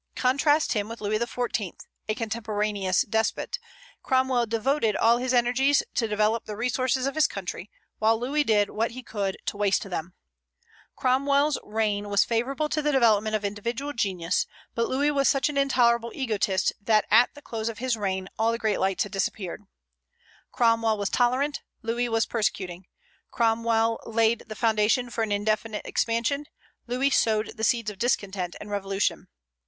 Contrast him with Louis XIV., a contemporaneous despot: Cromwell devoted all his energies to develop the resources of his country, while Louis did what he could to waste them; Cromwell's reign was favorable to the development of individual genius, but Louis was such an intolerable egotist that at the close of his reign all the great lights had disappeared; Cromwell was tolerant, Louis was persecuting; Cromwell laid the foundation of an indefinite expansion, Louis sowed the seeds of discontent and revolution.